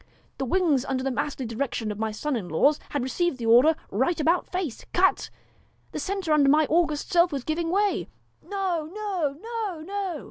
'The wings under the masterly direction of my sons in law, had received the order " Right about face, cut !" the centre under my august self was giving way.' 'No, no!' 'No, no!'